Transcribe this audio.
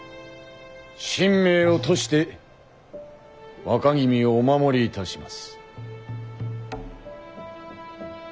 身命を賭して若君をお守りいたします。